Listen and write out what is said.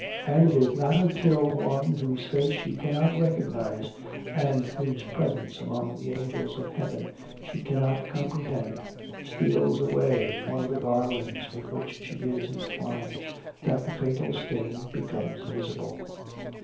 And it is not until one whose face she cannot recognise, and whose presence among the angels of heaven she cannot comprehend, steals away one of the garlands with which she is entwined, that the fatal stain becomes visible.